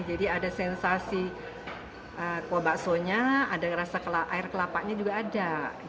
jadi ada sensasi kuah baksonya ada rasa air kelapanya juga ada